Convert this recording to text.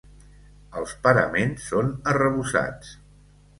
Els paraments són arrebossats.